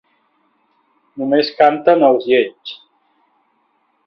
Només canten els lleigs.